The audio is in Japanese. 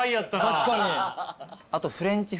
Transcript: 確かに。